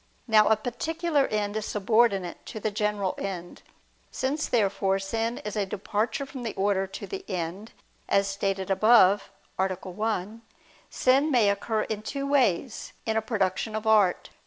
Now a particular end is subordinate to the general end. Since therefore sin is a departure from the order to the end, as stated above (A. 1), sin may occur in two ways, in a production of art.